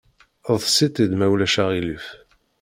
Eḍs‑itt-id ma ulac aɣilif!